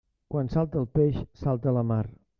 Quan salta el peix, salta la mar.